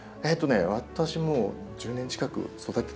私も１０年近く育ててるかな。